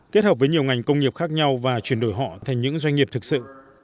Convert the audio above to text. kết hợp với nhiều ngành công nghiệp khác nhau và chuyển đổi họ thành những doanh nghiệp thực sự